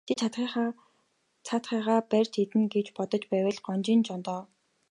Чи цаадхыгаа барж иднэ гэж бодож байвал гонжийн жоо доо.